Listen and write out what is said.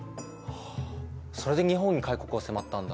はあそれで日本に開国を迫ったんだ。